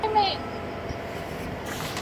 ننګول مي زیارتونه هغه نه یم ..